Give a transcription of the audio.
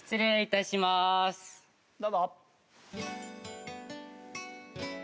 どうぞ。